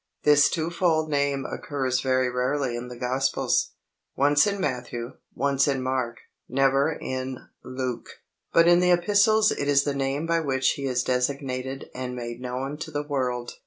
This twofold name occurs very rarely in the Gospels once in Matthew, once in Mark, never in Luke; but in the Epistles it is the name by which He is designated and made known to the world.